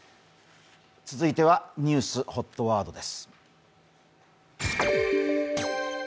続いてはニュースＨＯＴワードです。